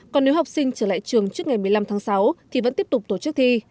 còn nếu học sinh trở lại trường trước ngày một mươi năm tháng sáu thì vẫn tiếp tục tổ chức thi